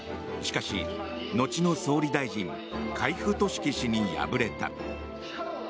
しかし、後の総理大臣海部俊樹氏に敗れた。